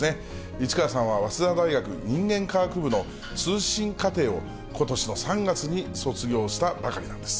市川さんは早稲田大学人間科学部の通信課程を、ことしの３月に卒業したばかりなんです。